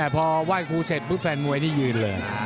พอไหว้ครูเสร็จปุ๊บแฟนมวยนี่ยืนเลย